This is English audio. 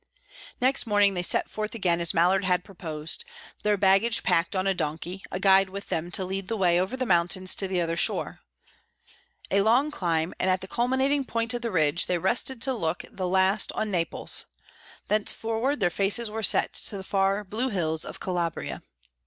Next morning they set forth again as Mallard had proposed, their baggage packed on a donkey, a guide with them to lead the way over the mountains to the other shore. A long climb, and at the culminating point of the ridge they rested to look the last on Naples; thenceforward their faces were set to the far blue hills of Calabria.